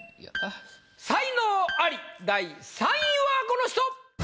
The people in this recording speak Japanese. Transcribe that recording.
才能アリ第３位はこの人！